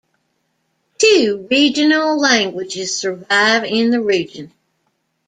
Two regional languages survive in the region.